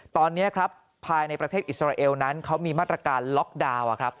ตอนนี้ครับภายในประเทศอิสราเอลนั้นเขามีมาตรการล็อกดาวน์